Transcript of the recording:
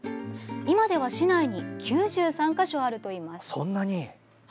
今では市内に９３か所あるといいます。